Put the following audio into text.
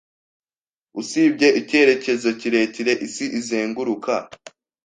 Usibye icyerekezo kirekire isi izenguruka